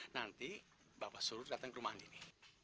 nanti bapak suruh datang ke rumah andini